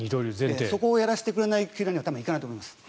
そこをやらせてくれない球団には多分行かないと思います。